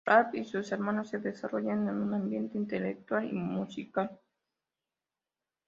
Ralph y sus hermanos se desarrollaron en un ambiente intelectual y musical.